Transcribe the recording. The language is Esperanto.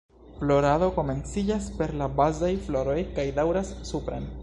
Florado komenciĝas per la bazaj floroj kaj daŭras supren.